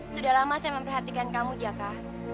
sudah lama saya memperhatikan kamu jaka